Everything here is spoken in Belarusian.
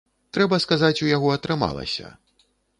Трэба сказаць, у яго атрымалася!